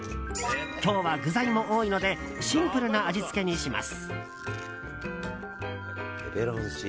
今日は具材も多いのでシンプルな味付けにします。